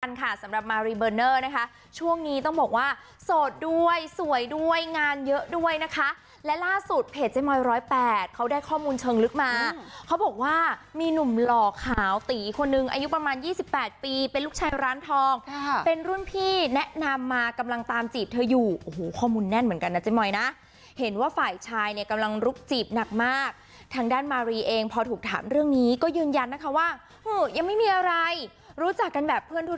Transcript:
กันค่ะสำหรับมารีเบอร์เนอร์นะคะช่วงนี้ต้องบอกว่าสดด้วยสวยด้วยงานเยอะด้วยนะคะและล่าสุดเพจเจ๊มอย๑๐๘เขาได้ข้อมูลเชิงลึกมาเขาบอกว่ามีหนุ่มหล่อขาวตีคนนึงอายุประมาณ๒๘ปีเป็นลูกชายร้านทองเป็นรุ่นพี่แนะนำมากำลังตามจีบเธออยู่ข้อมูลแน่นเหมือนกันนะเจ๊มอยนะเห็นว่าฝ่ายชายเนี่ยกำลังรุกจีบ